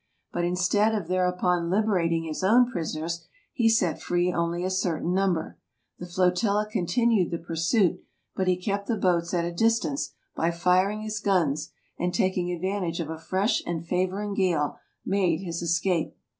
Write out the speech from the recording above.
But instead of thereupon liberating his own prisoners, he set free only a certain number. The flotilla continued the pursuit, but he kept the boats at a distance by firing his guns, and, taking advantage of a fresh and favor ing gale, made his escape.